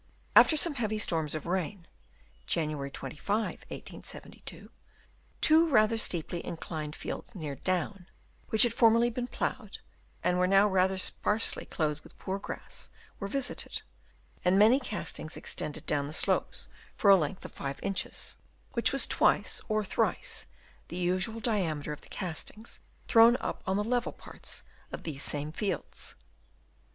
After some heavy storms of rain (Jan. 25, 1872) two rather steeply inclined fields near Down, which had formerly been ploughed and were now rather sparsely clothed with poor grass, were visited, and many castings extended down the slopes for a length of 5 inches, which was twice or thrice the usual diameter 266 DENUDATION OF THE LAND Chap. VI. of the castings thrown up on the level parts of these same fields.